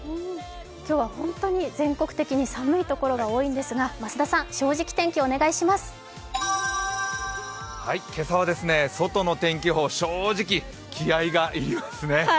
今日は本当に全国的に寒いところが多いんですが、増田さん、「正直天気」、お願いします。今朝は外の天気予報正直、気合いがいりますね。